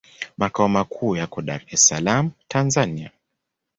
Makao makuu yako Dar es Salaam, Tanzania.